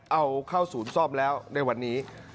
เอาเข้าศูนย์ซ่อมแล้วในวันนี้